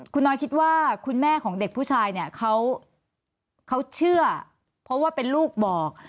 คุณน้อยคิดว่าคุณแม่ของเด็กผู้ชายเนี่ยเขาเชื่อเพราะว่าเป็นลูกบอก